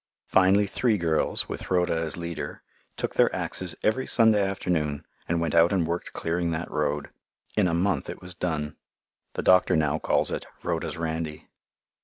Finally three girls, with Rhoda as leader, took their axes every Sunday afternoon and went out and worked clearing that road. In a month it was done. The doctor now calls it "Rhoda's Randy."